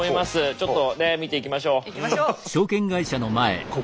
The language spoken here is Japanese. ちょっとねっ見ていきましょう。